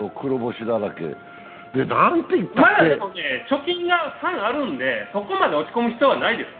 まあでもね、貯金が３あるのでそこまで落ち込む必要はないです。